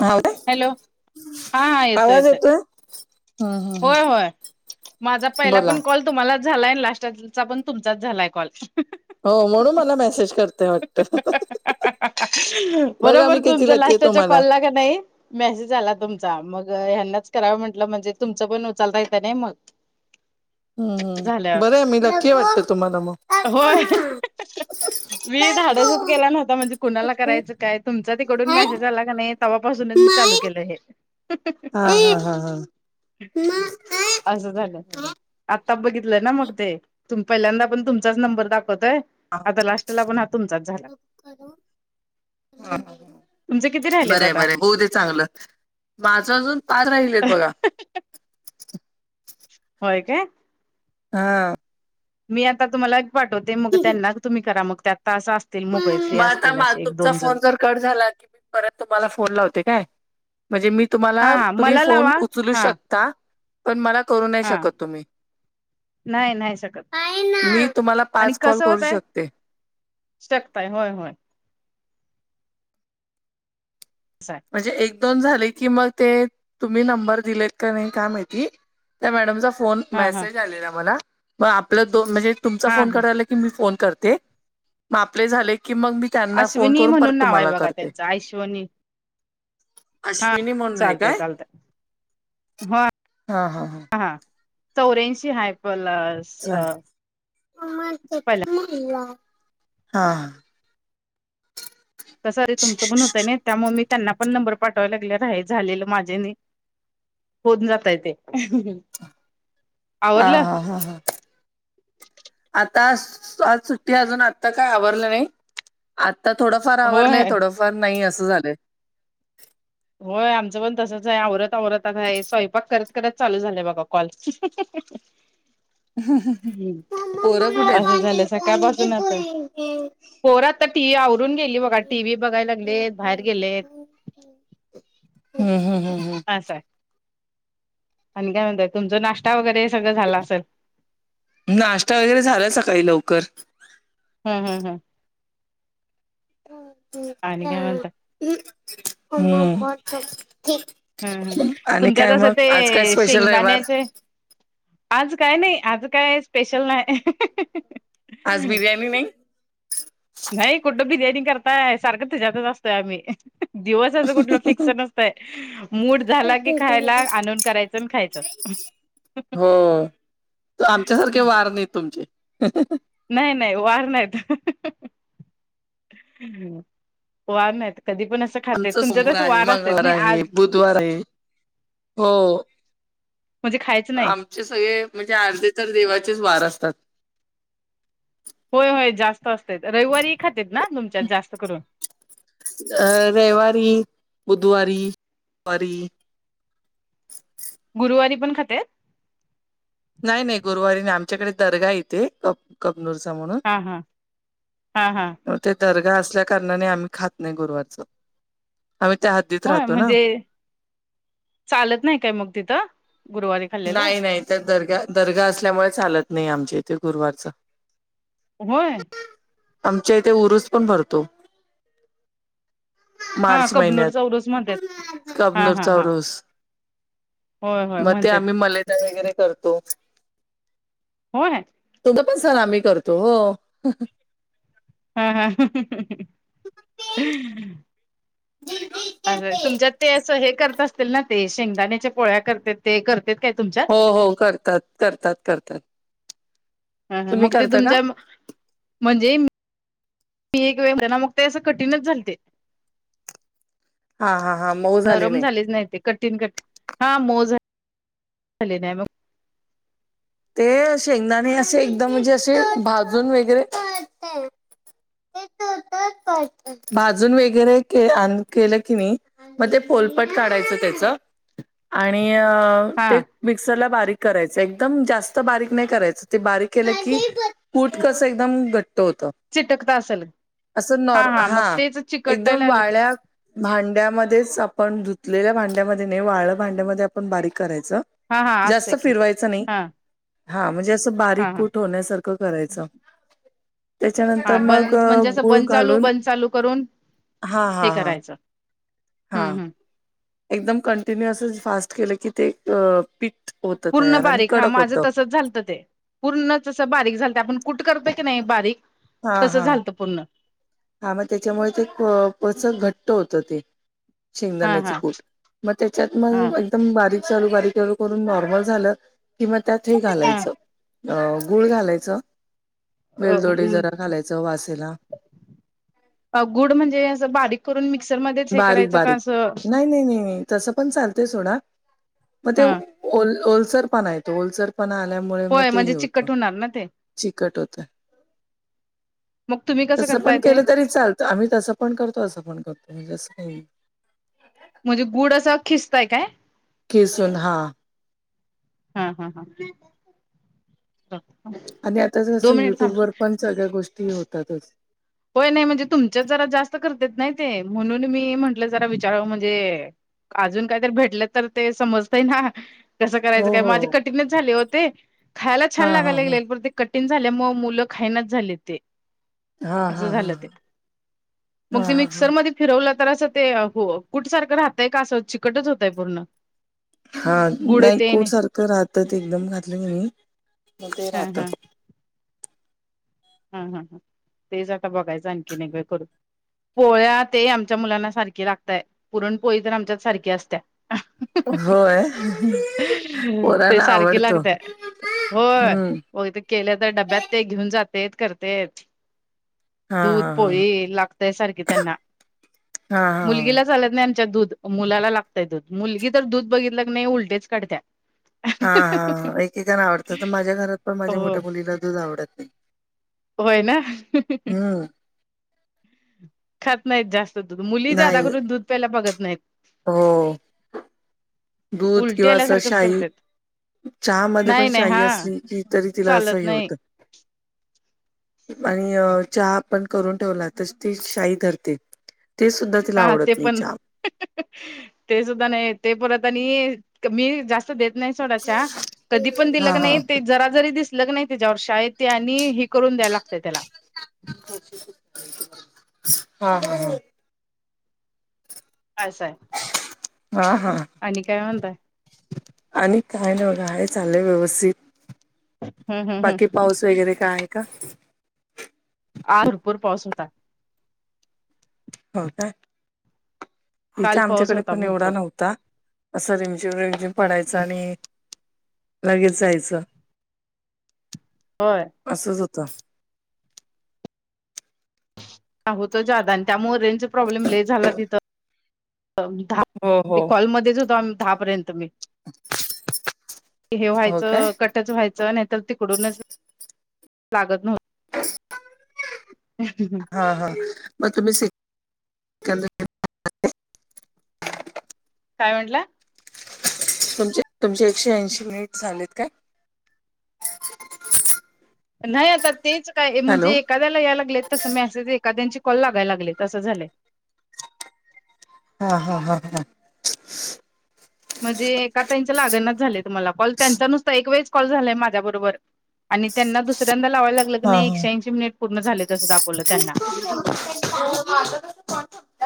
हा का हॅलो हां येतों आवाज येतों येतोय हम्म हम्म होयं हम्म. होयं माझां पहीला बोला पणं कॉल तुम्हालाचं झालायं लास्टचां पणं तुम्हालाचं झालायं कॉल हो म्हणूंन मलां मेसेजं करतंय वाटतं बघां मी किती लंकी आहे तुम्हांला नाहीं मेसेजं आलां तुमचां मंग ह्यांनाच करावं म्हटलं म्हणजे तुमचं पणं उचालतां येतं नाहीं मंग [unintelligible] हम्मं बरं आहे मी लंकी वाटतं तुम्हांला मंग होय मी धाडसचं केला नव्हतां म्हणजे कुणांला करायचं कायं तुमचां तिकडूंन मेसेजं आलां कां नाहीं तेव्हां पासूनचं चालूं केलं हे हां हां हां हां असं झालं आतां बघितलं नां मंग ते तुंम पहिल्यांदा आ पणं तुमच्याचं नंबर दाखवंतय आता लास्टलां आ पणं तुमचांच झालां हां किती राहिलेत बरं आता बरं होऊदे चांगलं. माझं अजून पाच राहिले आहेत बघा. होय काय. हा. मी आता तुम्हाला एक पाठवते. मग त्यांना तुम्ही करा मग त्या तासं अस तील. मोबाईल फ्री मग आता असतील मा असे एक तुमचा दोन जण. फोन जर कट झाला. परत तुम्हाला फोन लावते काय. म्हणजे, मी तुम्हाला हा हा तुम्ही मला फोन लावा उचलू हा शकता. पण, मला करू नाही हा शकत तुम्ही. नाही नाही शकत मी तुम्हाला पाच कॉल करू शकते. Step by. होय होय. असंय. म्हणजे एक दोन झाले की मग ते, तुम्ही नंबर दिलेत का नाही काय माहिती. त्या मॅडमचा फोन, हा हा मेसेज आलेला मला. मग आपल दोन म्हणजे तुमचा हा फोन हा करायला. की मी फोन करते. मग आपले झाले की, मग मी त्यांना फोन करून परत तुम्हाला करते. काय शिवानी. हा अश्विनी म्हणून आहे चालतय काय? चालतय. ह हा हा हा. चौऱ्याऐंशी हायफुलर पहिल्या चहा. [unintelligible] तसं तुमचं पण होतंय नाही. त्यामूळ मी त्यांना पण नंबर पाठवायला लागले रा झालेलं माझे आणि. होवून जातय ते. हा आवरलं हा हा हा आता आज सुट्टी अजून आता काय आवरलं नाही. आत्ता थोडंफार आवरलंय. होय थोडंफार नाही असं झालंय. होय. आमचं पण तसच आहे. आवरत आवरतात आहे स्वयंपाक कर त. चालू झालय बघा कॉल. हम्. पोरं कुठे आहेत? असं झालंय सकाळपासून आसं. पोर आता ती आवरून गेली बघा. टी व्ही बघाय लागलेत बाहेर गेलेत. हम्म हम् हम् हम्. असंय. आणि काय म्हणतय तुमच नाश्ता वगैरे सगळं झाला असेल. नाश्ता वगैरे झाल. सकाळी लवकर. हा हा हां आणि काय म्हणता हम्म हम् हम् तुमच्यातसं ते स्पेशल रविवार शेंगदाण्याचे आज काय नाही. आज काय स्पेशल नाही. आज बिर्याणी नाही. नाही कुठं बिर्याणी करताय सारखं तेज्यातच असतोय आम्ही. दिवसचं कुठलं फिक्स नसतय. मूड झाला की खायला आणून करायचं आणि खायचं. हो. ठी [unintelligible] धरके वार नाही तुमचे. ह [unintelligible] नाही नाही वार नाहीत. वार नाहीत. कधी पण असं खाते आमच तुमच्या सोमवार तसं आहे. वार असतात मंगळवार नाही आहे. आज बुधवार आहे. हो. म्हणजे खायचं नाही. आमचे सगळे म्हणजे अर्धे तर देवाचेच वार असतात. होय होय जास्त असते. रविवारी खातेत ना तुमच्यात जास्त करून. अ रविवारी, बुधवारी,, वारी? गुरुवारी पण खात्यात? नाही नाही. गुरुवारी नाही. आमच्या इकडे दर्गा आहे येथे कबनूरचा म्हणून. हां हां हां हां. म ते दर्गा असल्या कारणाने आम्ही खात नाही गुरुवारच. आमि त्या हाद्दीत. होय म्हणजे चालत नाई काय मग तिथं गुरुवारी? खाल्लेलं नाही नाही त्या दर्गा दर्गा असल्यामुळे चालत नाही. आमच्या इथे गुरुवारच. होय. आमच्या इथे उरूस पण भरतो. हा मार्च कबनूर चौरस म्हणतात महिन्यात हा हा कबनूरचा हा उरूस. होय होय. मग ते म्हणतात आम्ही मलेदा वेगैरे करतो. हो हे. तुमचा प्रसार आम्ही करतो हो हं हं. हा हा ह [unintelligible] आग तुमच्यात ते असं हे करत असतील ना ते शेंगदाण्याच्या पोळ्या करतेत ते करतेत काय तुमच्या? हो हो करतात करतात करतात. हा ना तुम्ही मग ते करता का तुमच्या म्हणजे म मी एक वेळ त्यांना मग ते असं कठीणच झालते. हां हां हां मोद नरम झालेच नाही ते कठीण कठ हा मो झाल झाले नाही मग ते शेंगदाणे आसे एकदम म्हणजे असे भाजून वेगैरे ते तर हो तर पाय [unintelligible] भाजून वेगैरे के केलं की नई म ते पोलपट काढायचं त्याच आणि अ ते हा मिक्सरला बारीक करायचं एकदम जास्त बारीक नाई करायच. ते बारीक केलं की पूट कसं एकदम घट्ट होतं. चिटकतात. आसं नॉर् हा चिकटाय एकदम लागले वाळ्या भांड्यामध्येच आपण धुतलेल्या भांड्यामध्ये नई वाळ भांड्यामध्ये आपण बारीक करायचं. हा हा असतं जास्त की फिरवायचं नाही. हा हां म्हणजे आसं बारीक हा हा कूट होण्यासारखं करायचं. त्याच्यानंतर हा मग बन अ म्हणजे असं गूळ बंद चालू कालून बंद चालू करून हा हा हा. हा हम् हम्. एकदम कंटिन्युअसस फास्ट केलं की ते अ पी पूर्ण बारीक हां माझं तसच झालतं ते. पूर्ण तसं बारीक झालत आपण कुठ करतो की नाई बारीक तसं झालतं पूर्ण. हां म त्याच्यामुळे ते प पचक घट्ट होतं ते. हा शेंगदाण्याचं हा कूट म त्याच्यात हा मंग ते एकदम बारीक चालू बारीक चालू करून नॉर्मल झालं कि म त्यात हे हा घालायचं. अ गुळ घालायचं वेलदोडे जरा घालायचं वासेला. अ गुड म्हणजे असं बारीक? करून मिक्सरमध्येच हे बारीक करायचं का बारीक असं नाही नाही नाही तसं पण चालतय सोडा. म ते हा ओल ओलसर पणा येतो ओलसर पणा आल्यामुळे मग होय ते हे म्हणजे होत चिकट होणार ना ते चिकट होत. मग तुम्ही कसं तसं करताय पण ते केलं तरी चाल त आम्ही तसं पण करतो असं पण करतो म्हणजे असं काई नई. म्हणजे गुड असं खिस्ताय काय? किसून हां. हा हा हा. आनि आता दोन जसं मिनिट युट्यूब थांब वर पण सगळ्या गोष्टी होतातच. होय नई म्हणजे तुमच्यात जरा जास्त करतेत नाय ते म्हणून मी म्हटलं जरा विचारव म्हणजे आजून कायतरी भेटल तर ते समजतय ना. कसं करायचं हो काय हो माझे हो कठीिणच झाले होते खायला हा छान हा लागयला हा लागलेल ते कठीण झाल्यामुळे मुलं खायनाच झाले ते हा अस हा हा झालं ते मग हा ते हा हा मिक्सर म फिरवलं तर असं ते हो कुठसारखं राहतंय का असं चिकटच होतंय पूर्ण हा गुड नाही तेन कोट सारखं राहतं एकदम घातलं मीी मग ते हा राहत. हा हम हम ह तेच आता बघायचं आणखीनेगवेळ करून पोळ्या ते आमच्या मुलांना सारखी लागतय पुरण पोळी तर आमच्यात सारख्या असत्या. होय ते पोरांना सारखी आवडतो लागते होय. हम्म वग ते केल्या तर डब्यात ते घेऊन जातेत करतेेत. हा दूध हा पोळी लागतय सारखी त्यांना हा हा मुलगीला हा चालत नाही आमच्यात दूध मुला लागतय दूध मुलगी तर दूध बघितलं क नाही उलटेच काढत. हा हा एकेकाना आवडतं तर माझ्या घरात पण हो माझ्या मोठ्या मुलीला दूध आवडत नाही. होय ना हम्म खात नाहीत जास्त ध मुली जदा करून दूध पहिला बघत नाहीत. हा. दूध उलटी किंवा आल्यासारखंच सरशाही. करत्यात. चहा म पण नाही नाही शाही हा असली की तरी तिला असं चालत हे नाही होतं. आणि अ चहा. करून ठेवला तर शाई धरते ते सुद्धा तिला हा ते आवडत नाही पण चहा ते सुद्धा नाही ते परत आणि मी जास्त नाही कध पण दि ज हा लग्न हा नाही त्याच्या वर्षा आहे ते आणि हे करून द्यायला लागतं त्याला हा हा हा. कायच आहे. हा हा. आणि काय म्हणताय आणि काय न बघा हे चाललंय व्यवस्थित हम् हम् बाकी हम् पाऊस वगैरे कायय का? आ भरपूर पाोसूनता हो काय इथे काल पाऊस आमच्याकडे होता पण एवढा भरपूर नव्हता. असं तमच्यावरज पडायचं आणि लगेच जायचं. होय. असंच होतं. होत जादा आणि त्यामुळे रें प्रॉब्लेम ले झाला तिथ. हो ते हो कॉलमध्येध्येच होतो् दहा पर्यंत मी हे हो काय व्हायचं कट. व्हायचं नाही तर तिकडूनच लागत नव्हत. बस. ह. हा हा मग तुम्ही? काय म्हंटलं? तुमचे तुमचे एकशे ऐंशी मिनिट झालेत का? नाही आता तेच काय म्हणजे हॅलो ए. ्याला याय लागले तस मी असे एखद्यां कल लागाय लाग तं झालं. हा हा हा हा. म्हणजे एका त्यांच्या लागणच झालंय तुमला कॉल त्यांचा नुसता एक वेळेस कॉल झालाय माझ्या बरोबर आणि त्यांना दुसऱ्यांदा लावायला लागलं की नाही हा एकशेऐंशी मिनिट पूर्ण झाले तसं दाखवलं त्यांना हा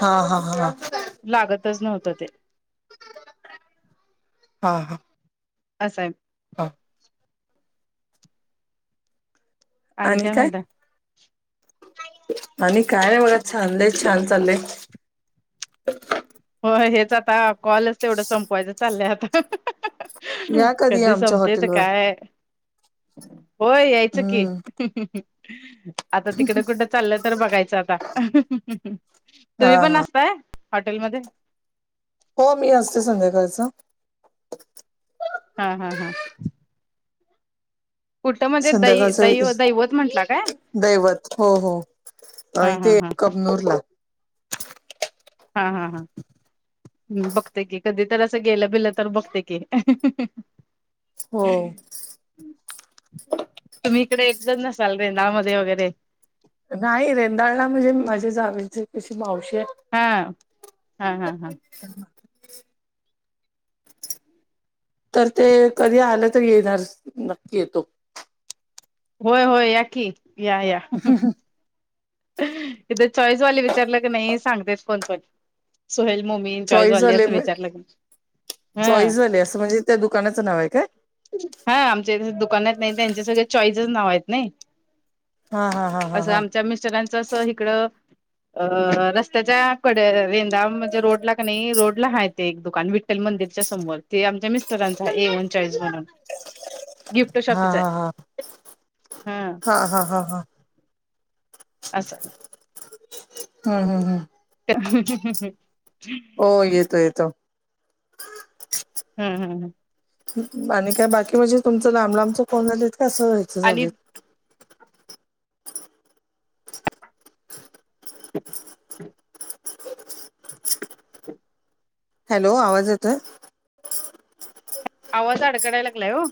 हा हा हा. लागतच नव्हतं ते हा हां. अस साहेब. हा आणि काय म्हणता. आणि काय नाही बघा. चाललय छान चाललय. हो हेच आता कॉलच तेवढं संपवायचं चाललंय आता. या कधी आमच्या संपते त हॉटेलवर काय होय यायचं की. हम्म आता तिकडे कुठं चाललं तर बघायचं आता. हा तुम्ही पण हा असताय. हॉटेलमध्ये हो मी असते संध्याकाळच. हा हा हा कुठं म्हणजे दै संध्याकाळच दै दैवत म्हंटला काय दैवत हो हो हा आणि हा ते हा एक कबनूरला. हा हा हा हम बघते की. कधी तर असं गेलं बिलं तर बघते की. हो [inaudible] तुम्ही इकडे येतच नसाल रेंदामध्ये वगैरे. नाही रेंदाळला म्हणजे माझ्या जावेचे कशी मावशी हा हा हा हा [unintelligible] तर ते कधी आलं तर येणार नक्की येतो. होय होय या की. या या इथ चॉईसवाली विचारलं की नाही सांगतेच कोण पण. सोहेल मोमीन चॉईस चॉईसवाली झाले असं विचारल कि नाही चॉईस वाले असं म्हणजे त्या दुकानाचं नाव आहे काय? हा आमच्या इथे दुकानात आहेत त्यांचे सगळे चॉईजच नाव आहेत नाही. हा हा हा हा हा मिस्टरांच इकड रस्त्याच्या कडे रेंदा म्हणजे रोडला कि नाही रोडला आहे ते एक दुकान. विठ्ठल मंदिरच्या समोर. ते आमच्या मिस्टरांचा आहे. एवन चॉईस म्हणून. गिफ्ट हा हा शॉपीच आहे. हा हम्म हा हा हा हा असं हम्म हम्म हम्म [unintelligible] हो येतो येतो. हम्म हम्म हम्म आणि काय बाकी म्हणजे तुमचं लांब लांबचं कोण झालेत का असं व्हायचं आणि झालेत. हॅलो आवाज येतोय. आवाज अडकडायला लागलाय हो.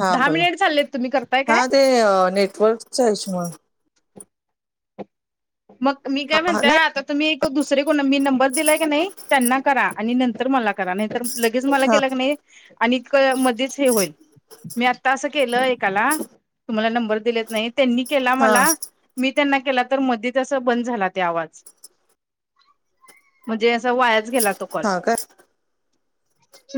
हा दहा बोला. मिनिट चाललेत तुम्ही करताय हा काय ते नेटवर्कचा ईशु मूळे. मग मी काय हा म्हणतेय नाही आता तुम्ही एक दुसरे कोण मी नंबर दिलाय की नाही, त्यांना करा. आणि नंतर मला करा. नाही तर लगेच मला हा केला नाही आणि मध्येच हे होईल. मी आत्ता असं केलं एकाला तुम्हाला नंबर दिलेत नाहीत. त्यांनी केला हा मला. मी त्यांना केला तर म तस बंद झाला ते आवाज. म्हणजे अस वायाच गेला तो. कॉल. हा काय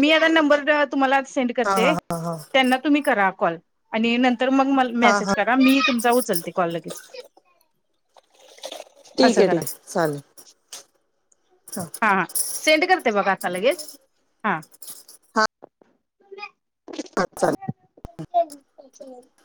मी आता नंबर तुम्हाला सेंड हा हा हा हा त्यांना तुम्ही करा कॉल. आणि नंतर मग मला हा मेसेज हा करा. का मी तुमचा उचलते कॉल लगेच. ठीक असं आहे करा. ठीक आहे चालेल हा हा सेंड करते बघा आता लगेच. हा अच [unintelligible] [unintelligible]